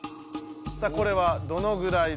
さあこれはどのぐらいだと？